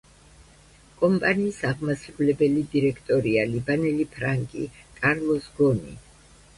კომპანიის აღმასრულებელი დირექტორია ლიბანელი ფრანგი, კარლოს გონი.